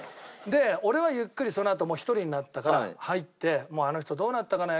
で俺はゆっくりそのあともう一人になったから入ってあの人どうなったかな？